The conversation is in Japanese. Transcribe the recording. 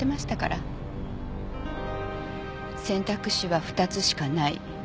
選択肢は２つしかない。